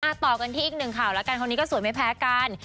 ต่อกันที่อีกหนึ่งข่าวแล้วกันคนนี้ก็สวยไม่แพ้กัน